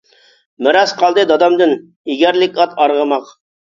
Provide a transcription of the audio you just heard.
مىراس قالدى دادامدىن، ئېگەرلىك ئات ئارغىماق.